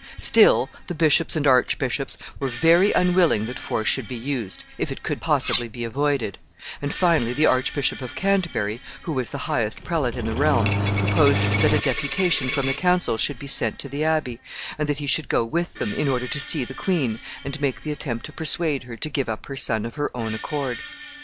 Still, the bishops and archbishops were very unwilling that force should be used, if it could possibly be avoided; and finally the Archbishop of Canterbury, who was the highest prelate in the realm, proposed that a deputation from the council should be sent to the Abbey, and that he should go with them, in order to see the queen, and make the attempt to persuade her to give up her son of her own accord.